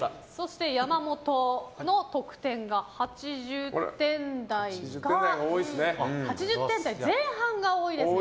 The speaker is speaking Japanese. そして、山本の得点が８０点台前半が多いですね。